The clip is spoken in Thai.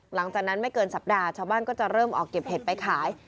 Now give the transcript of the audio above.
หลังจากนั้นไม่เกินสัปดาห์ชาวบ้านก็จะเริ่มออกเก็บเห็ดไปขาย